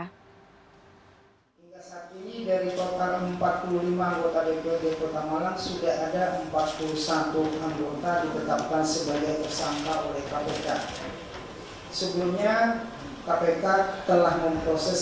sehingga saat ini dari empat puluh lima kota apbd kota malang sudah ada empat puluh satu kota ditetapkan sebagai tersangka oleh kpk